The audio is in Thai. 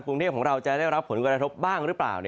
กรุงเทพของเราจะได้รับผลกระทบบ้างหรือเปล่า